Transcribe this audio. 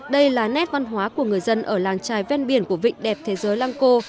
đây là nét văn hóa của người dân ở làng trài ven biển của vịnh đẹp thế giới lăng cô